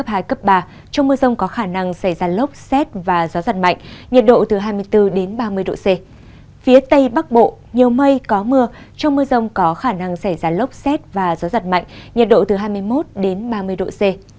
phía tây bắc bộ nhiều mây có mưa trong mưa rông có khả năng xảy ra lốc xét và gió giật mạnh nhiệt độ từ hai mươi một đến ba mươi độ c